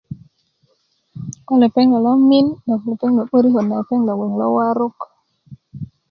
ko lepeŋ lo lomin 'dok 'börikot na lepeŋ na gbwo lo warok